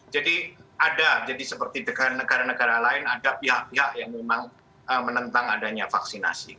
jadi ada jadi seperti negara negara lain ada pihak pihak yang memang menentang adanya vaksinasi